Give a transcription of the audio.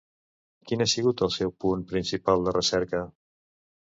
Quin ha sigut el seu punt principal de recerca?